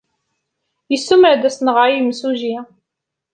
Yessumer-d ad as-nɣer i yemsujji.